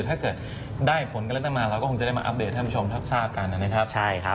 ถ้าเกิดได้ผลก็ได้มาก็ควรมาอัปเดตท่านผู้ชมทรัพย์รู้สึก